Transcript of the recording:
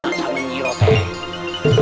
bagaimana denganmu teg